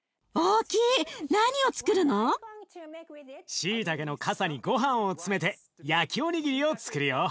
しいたけのかさにごはんを詰めて焼きおにぎりをつくるよ。